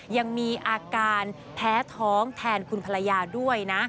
ยังมีอาการแพ้ท้องแทนคุณภรรยาด้วยนะ